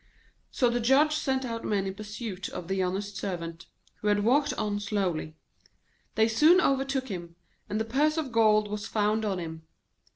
So the Judge sent out men in pursuit of the honest Servant, who had walked on slowly. They soon overtook him, and the purse of gold was found on him.